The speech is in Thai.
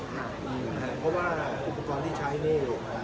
เพราะว่าอุปกรณ์ที่ใช้นี่อยู่